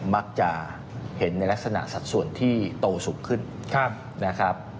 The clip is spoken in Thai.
มักจะเห็นในลักษณะสัดส่วนที่โตสูงขึ้นนะครับ